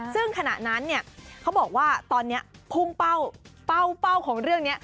ซึ่งขณะนั้นเนี่ยเขาบอกว่าตอนนี้พุ่งเป้าของเรื่องนี้